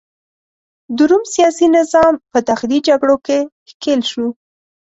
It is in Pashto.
د روم سیاسي نظام په داخلي جګړو کې ښکیل شو.